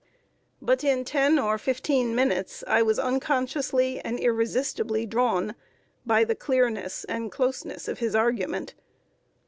But in ten or fifteen minutes I was unconsciously and irresistibly drawn by the clearness and closeness of his argument.